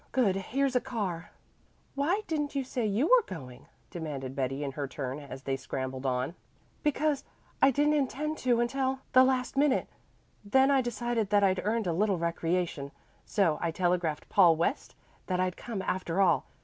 "Good, here's a car." "Why didn't you say you were going?" demanded Betty in her turn as they scrambled on. "Because I didn't intend to until the last minute. Then I decided that I'd earned a little recreation, so I telegraphed Paul West that I'd come after all.